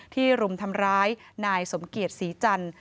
รุมทำร้ายนายสมเกียจศรีจันทร์